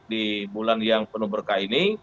di bulan yang penuh berkah ini